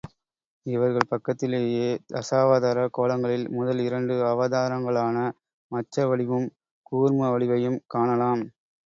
இவர்கள் பக்கத்திலேயே தசாவதாரக் கோலங்களில் முதல் இரண்டு அவதாரங்களான மச்ச வடிவும் கூர்ம வடிவையும் காணலாம்.